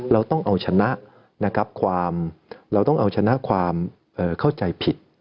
เราต้องเอาชนะนะครับความเราต้องเอาชนะความเข้าใจผิด